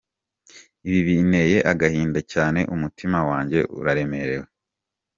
Ibi binteye agahinda cyane, umutima wanjye uraremerewe.